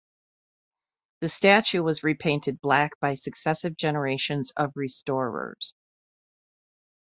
The statue was repainted black by successive generations of restorers.